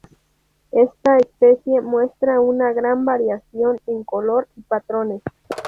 Esta especie muestra una gran variación en color y patrones.